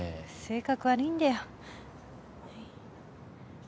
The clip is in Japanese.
性格悪いんだよ。